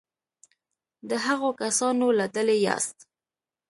د هغو کسانو له ډلې یاست.